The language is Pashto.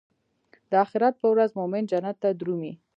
د اخرت پر ورځ مومن جنت ته درومي.